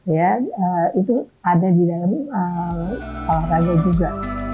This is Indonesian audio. ya itu ada di dalam olahraga juga